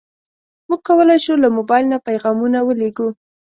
موږ کولی شو له موبایل نه پیغامونه ولېږو.